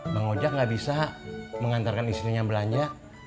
bang ojek nggak bisa mengantarkan istrinya belanja